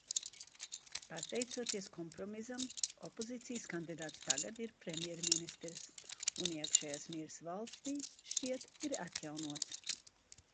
Pateicoties kompromisam, opozīcijas kandidāts tagad ir premjerministrs, un iekšējais miers valstī, šķiet, ir atjaunots.